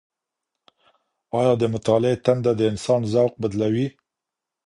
آيا د مطالعې تنده د انسان ذوق بدلوي؟